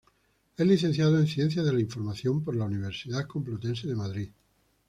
Es Licenciado en Ciencias de la Información en la Universidad Complutense de Madrid.